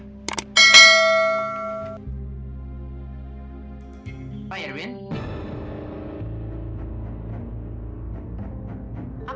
itu kita orang orang